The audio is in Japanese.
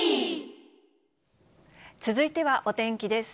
続いてはお天気です。